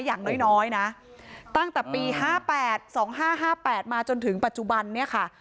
อย่างน้อยนะตั้งแต่ปี๕๘๒๕๕๘มาจนถึงปัจจุบันเนี่ยค่ะ